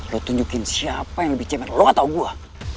lo tunjukin siapa yang lebih cemen lo atau gue